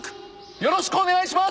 よろしくお願いします。